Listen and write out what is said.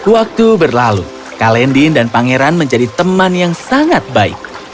waktu berlalu kalendin dan pangeran menjadi teman yang sangat baik